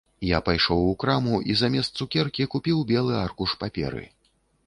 Я пайшоў у краму і замест цукеркі купіў белы аркуш паперы.